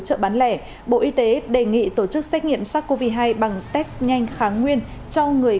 chợ bán lẻ bộ y tế đề nghị tổ chức xét nghiệm sars cov hai bằng test nhanh kháng nguyên cho người